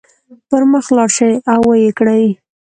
پر مخ لاړ شئ او ويې کړئ.